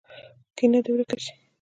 کینه دې ورک شي.